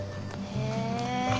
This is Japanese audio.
へえ。